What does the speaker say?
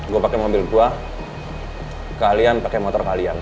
gue pakai mobil buah kalian pakai motor kalian